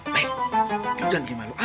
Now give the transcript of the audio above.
pak itu dan gimana lo